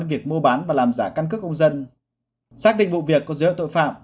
việc mua bán và làm giả căn cước công dân xác định vụ việc có dấu hiệu tội phạm